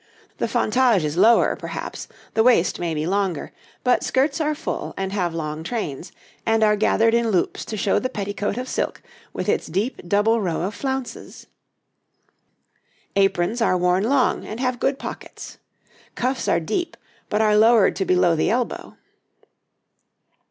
The fontage is lower, perhaps, the waist may be longer, but skirts are full and have long trains, and are gathered in loops to show the petticoat of silk with its deep double row of flounces. Aprons are worn long, and have good pockets. Cuffs are deep, but are lowered to below the elbow.